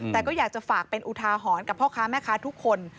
แต่ก็อยากจะฝากเป็นอุทาหรณ์กับพ่อค้าแม่ค้าทุกคน